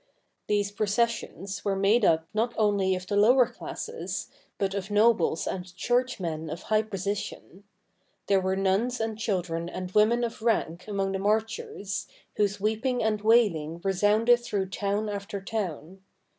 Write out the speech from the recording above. These processions were made up not only of the lower classes, but of nobles and churchmen of high position; there were nuns and children and women of rank among the marchers, whose weeping and wailing resounded through town after town.